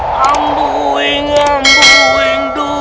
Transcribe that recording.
hai bengkak bengkak bengkak